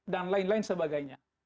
dan lain lain sebagainya